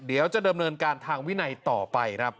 เดี๋ยวจะดำเนินการทางวินัยต่อไปครับ